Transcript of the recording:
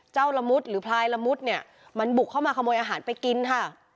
ละมุดหรือพลายละมุดเนี่ยมันบุกเข้ามาขโมยอาหารไปกินค่ะ